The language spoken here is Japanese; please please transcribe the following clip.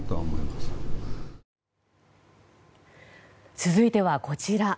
続いてはこちら。